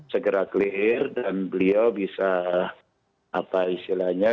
segera clear dan beliau bisa apa istilahnya